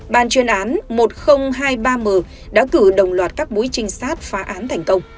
bàn chuyên án một nghìn hai mươi ba m đã cử đồng loạt các búi trinh sát